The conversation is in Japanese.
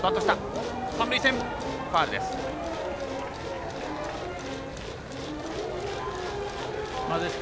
三塁線、ファウルです。